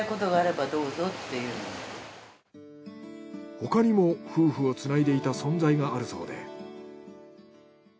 他にも夫婦をつないでいた存在があるそうで。